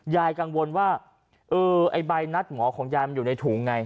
ยายกังวลว่าเออไอ้ใบนัดหมอของยายมันอยู่ในถุงไง